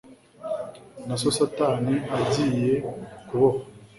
na so satani agiye kubohwa